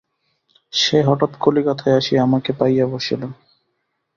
সে হঠাৎ কলিকাতায় আসিয়া আমাকে পাইয়া বসিল।